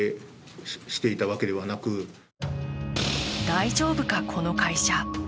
大丈夫か、この会社。